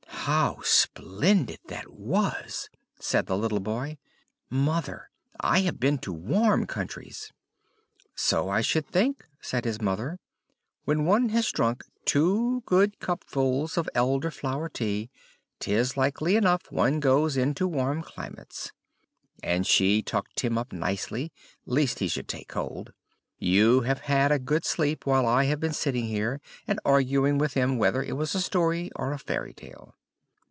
"How splendid that was!" said the little boy. "Mother, I have been to warm countries." "So I should think," said his mother. "When one has drunk two good cupfuls of Elder flower tea, 'tis likely enough one goes into warm climates"; and she tucked him up nicely, least he should take cold. "You have had a good sleep while I have been sitting here, and arguing with him whether it was a story or a fairy tale."